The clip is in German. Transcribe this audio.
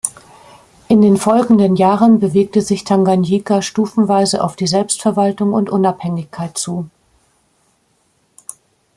In den folgenden Jahren bewegte sich Tanganjika stufenweise auf die Selbstverwaltung und Unabhängigkeit zu.